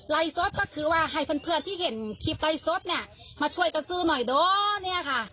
ไลฟ์ซดก็คือว่าให้เพื่อนที่เห็นคลิปไลฟ์ซดเนี่ยมาช่วยกันซื้อหน่อยโด้เนี่ยค่ะ